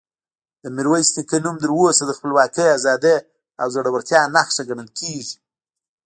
د میرویس نیکه نوم تر اوسه د خپلواکۍ، ازادۍ او زړورتیا نښه ګڼل کېږي.